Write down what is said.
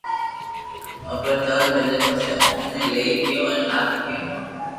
ايتا چاور ميليا پسو اوني لئين آگي گيو